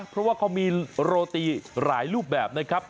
เพราะว่าเขามีโรตีหลายรูปแบบนะครับ